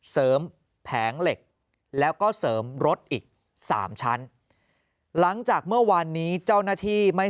แผงเหล็กแล้วก็เสริมรถอีกสามชั้นหลังจากเมื่อวานนี้เจ้าหน้าที่ไม่